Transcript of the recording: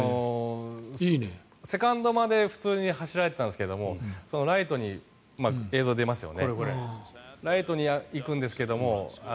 セカンドまで普通に走られていたんですけどライトに行くんですけど。